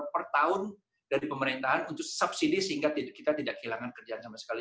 jadi pemerintahan memberikan dana untuk subsidi sehingga kita tidak kehilangan kerjaan sama sekali